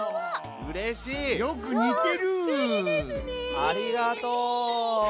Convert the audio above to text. ありがとう！